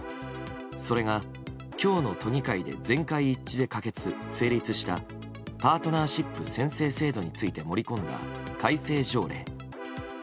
それが、今日の都議会で全会一致で可決・成立したパートナーシップ宣誓制度について盛り込んだ改正条例。